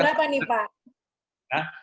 ada tanggal berapa nih pak